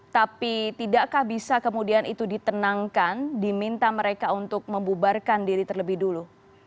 tapi tidakkah bisa kemudian itu ditenangkan diminta mereka untuk membubarkan diri terlebih dulu